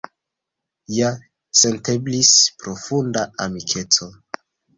Ja senteblis profunda amikeco.